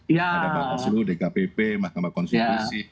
ada pak konsul dkpp mahkamah konstitusi